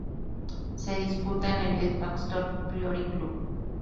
Se disputa en el Edgbaston Priory Club.